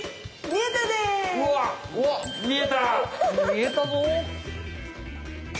みえたぞ！